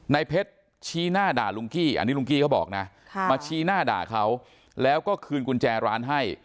ในเพชรชี้หน้าด่าลุงกี้อันนี้ลุงกี้เขาบอกนะมาชี้หน้าด่าเขาแล้วก็คืนกุญแจร้านให้